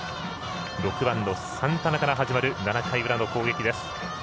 ６番のサンタナから始まる７回裏の攻撃です。